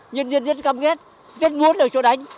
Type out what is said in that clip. nhân dân rất cảm ghét rất muốn được chỗ đánh